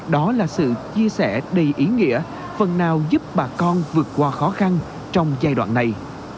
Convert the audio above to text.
đó là sự chia sẻ đầy ý nghĩa phần nào giúp bà con vượt qua khó khăn trong giai đoạn này